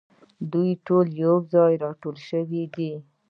دوی ټول یو ځای راټول شوي دي.